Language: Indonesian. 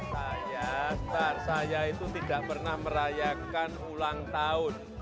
saya star saya itu tidak pernah merayakan ulang tahun